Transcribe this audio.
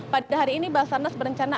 pada hari ini basarnas berencana